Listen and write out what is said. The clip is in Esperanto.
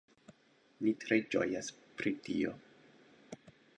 Ni tre ĝojas pri tio